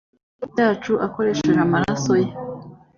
byacu akoresheje amaraso ye